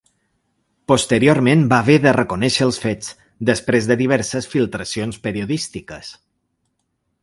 Posteriorment va haver de reconèixer els fets, després de diverses filtracions periodístiques.